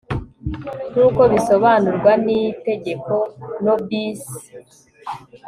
nk'uko bisobanurwa n'itegeko no bis